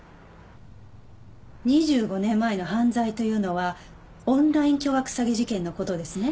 ２５年前の犯罪というのはオンライン巨額詐欺事件の事ですね？